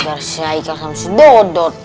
bersih aikal sama sudut